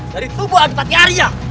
dari tubuh atu pati arya